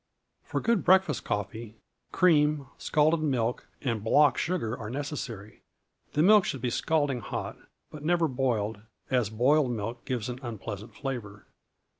For good breakfast coffee, cream, scalded milk, and block sugar are necessary. The milk should be scalding hot, but never boiled, as boiled milk gives an unpleasant flavor.